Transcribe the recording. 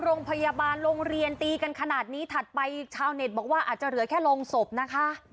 โรงพยาบาลโรงเรียนตีกันขนาดนี้ถัดไปชาวเน็ตบอกว่าอาจจะเหลือแค่โรงศพนะคะ